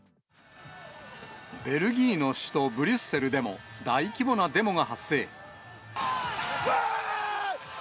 ベルギーの首都ブリュッセルでも、大規模なデモが発生。